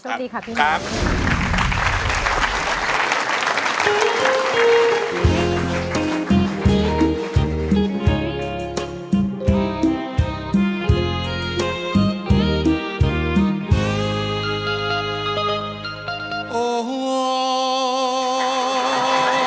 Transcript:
ไม่ใช้